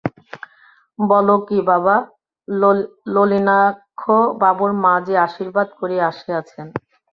বল কী বাবা, নলিনাক্ষবাবুর মা যে আশীর্বাদ করিয়া আসিয়াছেন!